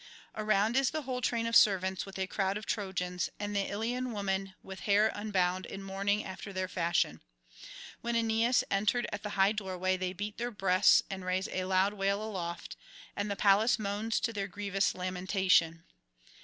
Around is the whole train of servants, with a crowd of Trojans, and the Ilian women with hair unbound in mourning after their fashion. When Aeneas entered at the high doorway they beat their breasts and raise a loud wail aloft, and the palace moans to their grievous lamentation.